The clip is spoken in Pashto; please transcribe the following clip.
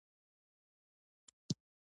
د یوه خبریال مرکه واورېده.